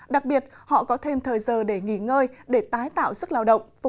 đặc biệt họ có thêm thời giờ để nghỉ ngơi để tái tạo sức lao động